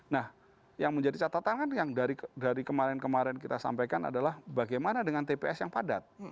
nah yang menjadi catatan kan yang dari kemarin kemarin kita sampaikan adalah bagaimana dengan tps yang padat